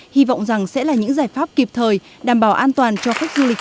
hy vọng rằng sẽ là những giải pháp kịp thời đảm bảo an toàn cho khách du lịch